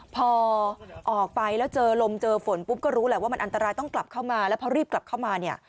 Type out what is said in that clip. พอออกไปแล้วเจอลมเจอฝนปุ๊บก็รู้แหละว่ามันอันตรายต้องกลับเข้ามาแล้วพอรีบกลับเข้ามาเนี่ย